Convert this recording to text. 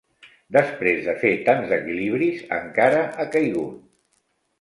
Després de fer tants equilibris, encara ha caigut.